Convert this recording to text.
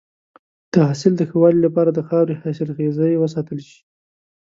د حاصل د ښه والي لپاره د خاورې حاصلخیزی وساتل شي.